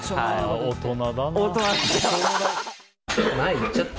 大人だな！